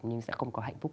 nhưng sẽ không có hạnh phúc